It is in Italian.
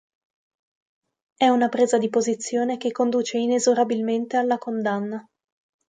È una presa di posizione che conduce inesorabilmente alla condanna.